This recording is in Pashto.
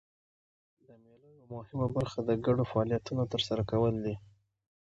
د مېلو یوه مهمه برخه د ګډو فعالیتونو ترسره کول دي.